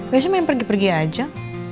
biasanya main pergi pergi aja